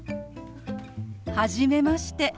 はじめまして。